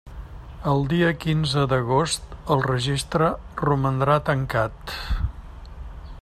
El dia quinze d'agost el registre romandrà tancat.